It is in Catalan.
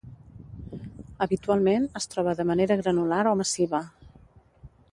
Habitualment es troba de manera granular o massiva.